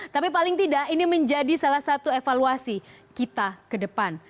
tapi paling tidak ini menjadi salah satu evaluasi kita ke depan